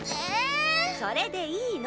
それでいいの。